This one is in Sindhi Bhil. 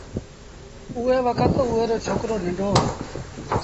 اُئي وکت اُئي رو ڇوڪرو ننڍو هُݩدو